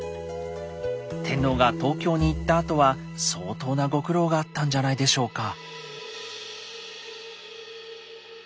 天皇が東京に行ったあとは相当なご苦労があったんじゃないでしょうか？